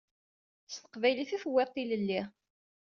S teqbaylit i d-tewwiḍ tilelli.